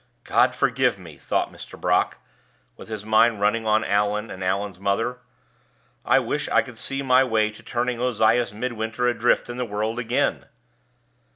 "God forgive me!" thought Mr. Brock, with his mind running on Allan and Allan's mother, "I wish I could see my way to turning Ozias Midwinter adrift in the world again!"